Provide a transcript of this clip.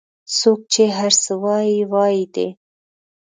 څوک چې هر څه وایي وایي دي